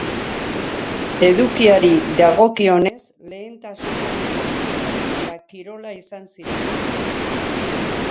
Edukiari dagokionez, lehentasunak politika eta kirola izan ziren.